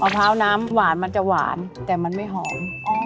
พร้าวน้ำหวานมันจะหวานแต่มันไม่หอม